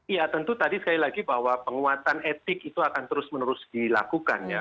ya tentu tadi sekali lagi bahwa penguatan etik itu akan terus menerus dilakukan ya